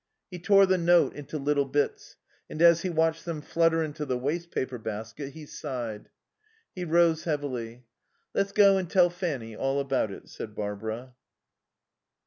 He tore the note into little bits, and, as he watched them flutter into the waste paper basket, he sighed. He rose heavily. "Let's go and tell Fanny all about it," said Barbara.